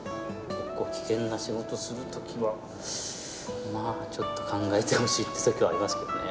危険な仕事をするときはちょっと考えてほしいってときはありますけどね。